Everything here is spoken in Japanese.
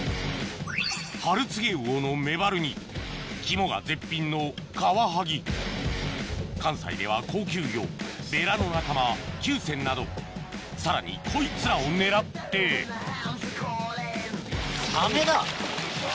春告魚のメバルに肝が絶品のカワハギ関西では高級魚ベラの仲間キュウセンなどさらにこいつらを狙ってサメだ。